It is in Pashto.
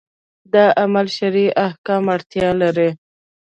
دا عمل شرعي حکم اړتیا لري